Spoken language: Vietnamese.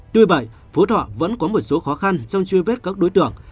tuy vậy phú thọ vẫn có một số khó khăn trong truy vết các đối tượng